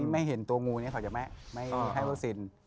ไม่เห็นตัวงูนี้เขาจะไม่ให้วัคซีน